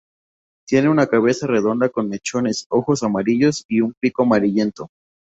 Tiene una cabeza redonda con mechones, ojos amarillos y un pico amarillento.